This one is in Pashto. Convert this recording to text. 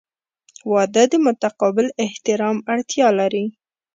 • واده د متقابل احترام اړتیا لري.